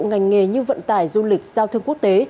ngành nghề như vận tải du lịch giao thương quốc tế